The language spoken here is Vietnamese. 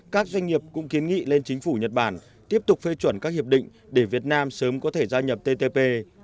các doanh nghiệp cũng kiến nghị lên chính phủ nhật bản tiếp tục phê chuẩn các hiệp định để việt nam sớm có thể gia nhập ttp